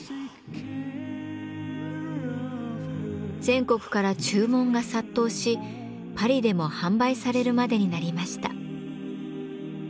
全国から注文が殺到しパリでも販売されるまでになりました。